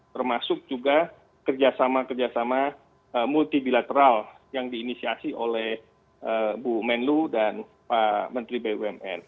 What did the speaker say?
termasuk juga kerjasama kerjasama multilateral yang diinisiasi oleh bu menlu dan pak menteri bayu